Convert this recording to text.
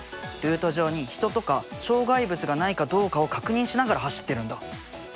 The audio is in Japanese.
ルート上に人とか障害物がないかどうかを確認しながら走ってるんだ。